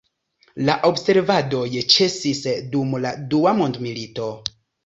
La observadoj ĉesis dum la dua mondmilito.